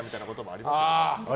ありますね。